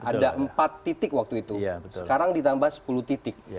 ada empat titik waktu itu sekarang ditambah sepuluh titik